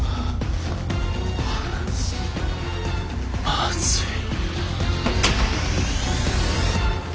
まずい。